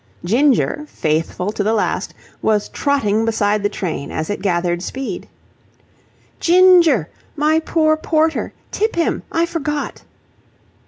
Ginger, faithful to the last, was trotting beside the train as it gathered speed. "Ginger! My poor porter! Tip him. I forgot."